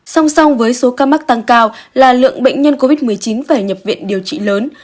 song song với số ca mắc tăng cao là lượng bệnh nhân covid một mươi chín phải nhập viện điều trị lớn